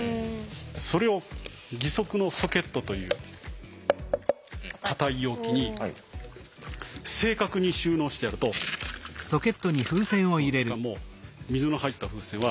それを義足のソケットという硬い容器に正確に収納してやるとどうですかもう水の入った風船は。